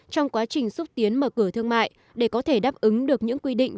trong quá trình xúc tiến mở cửa thương mại để có thể đáp ứng được những quy định